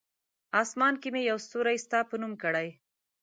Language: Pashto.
آسمان کې مې یو ستوری ستا په نوم کړی!